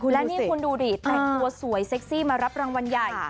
และนี่คุณดูดิแต่งตัวสวยเซ็กซี่มารับรางวัลใหญ่